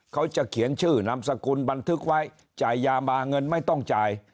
เขาจะเขียนชื่อนามสกุลบันทึกไว้จ่ายยามาเงินไม่ต้องจ่าย